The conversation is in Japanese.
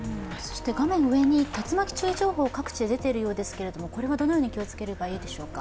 画面上に竜巻注意情報が出ているようですがこれはどのように気をつければいいでしょうか。